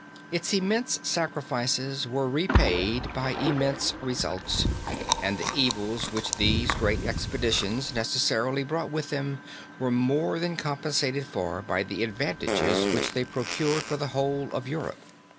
Its immense sacrifices were repaid by immense results, and the evils which these great expeditions necessarily brought with them were more than compensated for by the advantages which they procured for the whole of Europe.